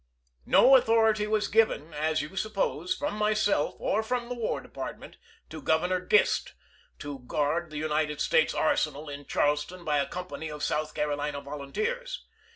No authority was given, as you suppose, from myself or from the War Department, to Governor Gist, to guard the United States Arsenal in Charleston by a company of South Carolina volunteers.